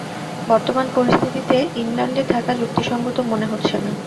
বর্তমান পরিস্থিতিতে ইংলণ্ডে থাকা যুক্তিসঙ্গত মনে হচ্ছে না।